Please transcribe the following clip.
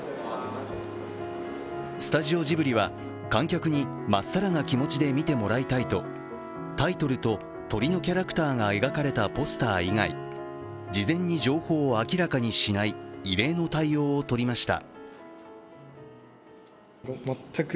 スタジオジブリは、観客にまっさらな気持ちで見てもらいたいとタイトルと鳥のキャラクターが描かれたポスター以外、事前に情報を明らかにしない異例の対応をとりました。